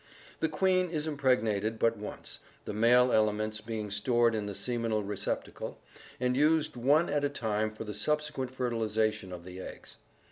The queen is impreg nated but once, the male elements being stored in the seminal receptacle, and used one at a time for the subsequent fertilization of the eggs.